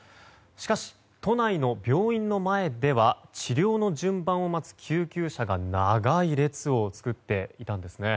しかし、都内の病院の前では治療の順番を待つ救急車が長い列を作っていたんですね。